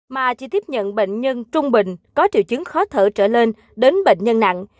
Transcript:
mà chỉ tiếp nhận bệnh nhân trung bình có triệu chứng khó thở trở lên đến bệnh nhân nặng